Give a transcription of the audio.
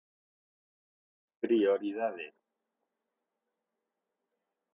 Prioridades